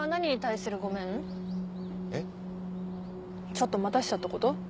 ちょっと待たせちゃったこと？